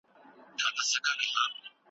لمبېدل د بدن ککړتیاوې لېرې کوي.